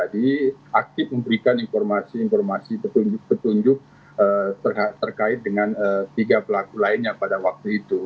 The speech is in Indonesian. jadi aktif memberikan informasi informasi petunjuk petunjuk terkait dengan tiga pelaku lainnya pada waktu itu